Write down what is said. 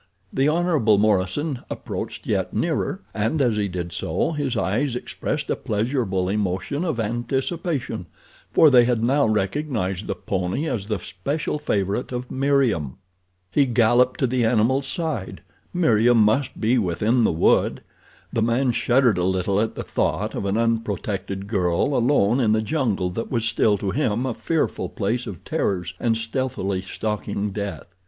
The Hon. Morison approached yet nearer, and as he did so his eyes expressed a pleasurable emotion of anticipation, for they had now recognized the pony as the special favorite of Meriem. He galloped to the animal's side. Meriem must be within the wood. The man shuddered a little at the thought of an unprotected girl alone in the jungle that was still, to him, a fearful place of terrors and stealthily stalking death.